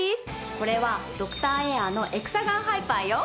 これはドクターエアのエクサガンハイパーよ。